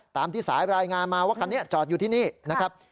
ตามที่สายรายงานมาว่าคันนี้จอดอยู่ที่นี่นะครับ